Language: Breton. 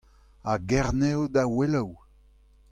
A Gerne da Oueloù.